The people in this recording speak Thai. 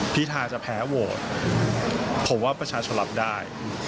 พิธาจะแพ้โหวตผมว่าประชาชนรับได้